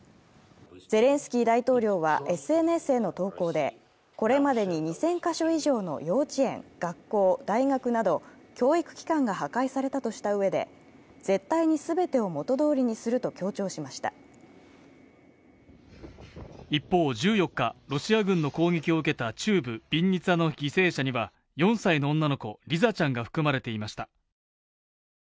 ゼレンスキー大統領はＳＮＳへの投稿で、これまでに２０００カ所以上の幼稚園、学校、大学など教育機関が破壊されたとしたうえで、絶対に全てを元どおりにすると一方、１４日ロシア軍の攻撃を受けた中部ビンニツァの犠牲者には４歳の女の子リザちゃんが含まれていました。